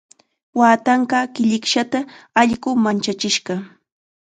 Waatanqaa killikshata allqu manchachishqa.